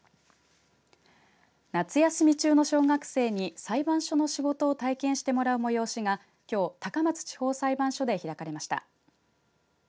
夏休み中の小学生に裁判所の仕事を体験してもらう催しがきょう、高松地方裁判所で開かれました。